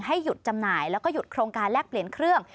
หยุดจำหน่ายแล้วก็หยุดโครงการแลกเปลี่ยนเครื่อง